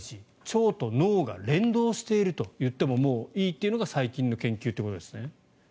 腸と脳が連動していると言ってもいいというのが最近の研究ということですね。